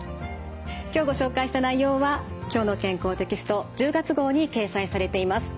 今日ご紹介した内容は「きょうの健康」テキスト１０月号に掲載されています。